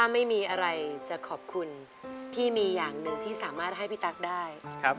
ไม่มีอะไรจะขอบคุณพี่มีอย่างหนึ่งที่สามารถให้พี่ตั๊กได้